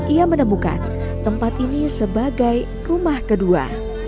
ia menemukan tempat ini sebagai rumah kedua